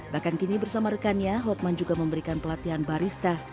bahkan kini bersama rekannya hotman juga memberikan pelatihan barista